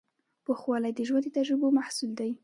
پوخوالی د ژوند د تجربو محصول دی.